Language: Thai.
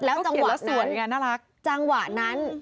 แล้วก่อนจังหวะนั้น